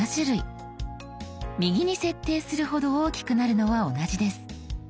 右に設定するほど大きくなるのは同じです。